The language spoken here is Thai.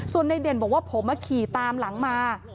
ส่วนในเด่นบอกว่าผมขี่ตามหลังมา